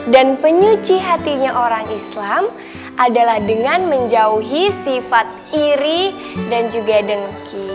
dan penyuci hatinya orang islam adalah dengan menjauhi sifat iri dan juga dengki